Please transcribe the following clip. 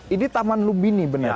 ini taman lubini benar